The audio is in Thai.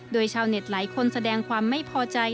โดยชาวเน็ตหลายคนแสดงความไม่พอใจ